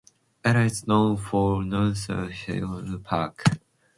It is known for Knowsley Hall and Knowsley Safari Park.